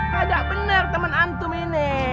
tidak benar teman antum ini